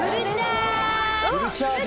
フルチャージ！